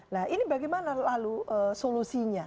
nah ini bagaimana lalu solusinya